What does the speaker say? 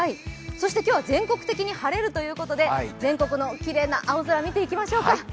今日は全国的に晴れるということで全国のきれいな青空を見ていきましょうか。